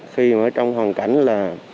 khi mà trong hoàn cảnh là